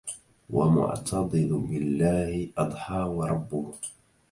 ومعتضد بالله أضحى وربه